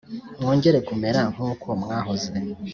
Mwongere kumera nk ‘uko mwahoze .